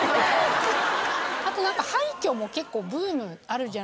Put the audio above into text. あとなんか廃虚も結構ブームあるじゃないですか。